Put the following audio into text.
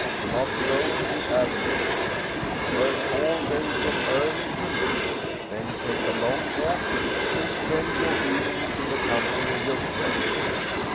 Do not go to the avenue ; work all day, from early to late, then take a long walk, and spend your evenings in the company of your friends.